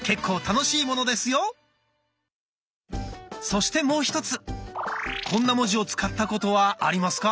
そしてもう１つこんな文字を使ったことはありますか？